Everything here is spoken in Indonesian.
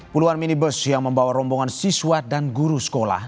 puluhan minibus yang membawa rombongan siswa dan guru sekolah